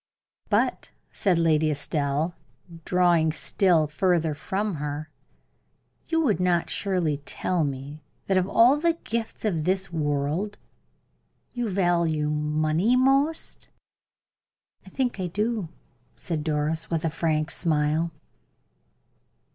"But," said Lady Estelle, drawing still further from her, "you would not surely tell me that of all the gifts of this world you value money most." "I think I do," said Doris, with a frank smile.